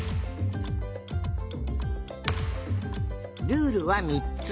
ルールはみっつ！